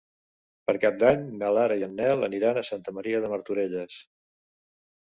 Per Cap d'Any na Lara i en Nel aniran a Santa Maria de Martorelles.